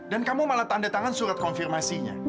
dan kamu malah tanda tangan surat konfirmasinya